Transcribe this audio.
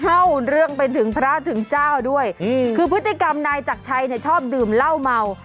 เล่าเรื่องไปถึงพระถึงเจ้าด้วยคือพฤติกรรมนายจักรชัยเนี่ยชอบดื่มเหล้าเมา